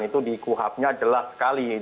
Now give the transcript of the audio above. itu di kuhap nya jelas sekali